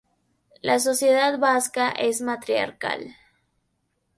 La sociedad vasca es matriarcal.